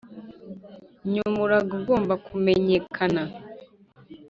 nyuma, uraga agomba kumenyekana,